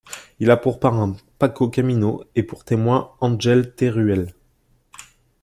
Il a pour parrain Paco Camino et pour témoin Ángel Teruel.